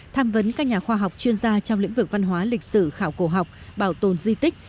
tham vấn các nhà khoa học chuyên gia trong lĩnh vực văn hóa lịch sử khảo cổ học bảo tồn di tích